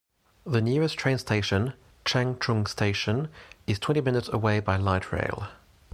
The nearest train station, Changchun Station, is twenty minutes away by light rail.